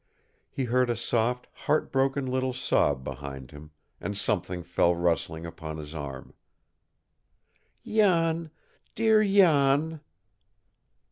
He heard a soft, heart broken little sob behind him, and something fell rustling upon his arm. "Jan, dear Jan!"